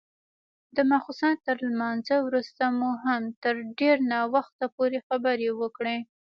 د ماخستن تر لمانځه وروسته مو هم تر ډېر ناوخته پورې خبرې وکړې.